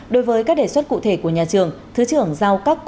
đối với các đề xuất cụ thể của nhà trường